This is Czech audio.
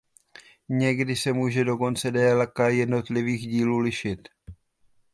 Někdy se může dokonce délka jednotlivých dílů lišit.